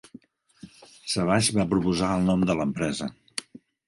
Savage va proposar el nom de l'empresa.